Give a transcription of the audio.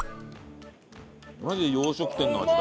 マジで洋食店の味だ。